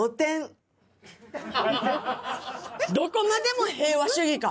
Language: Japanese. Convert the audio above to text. どこまでも平和主義か！